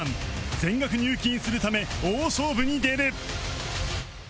全額入金するため大勝負に出る